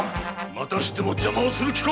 またしても邪魔をする気か！